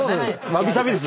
わびさびです。